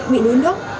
bị đối nước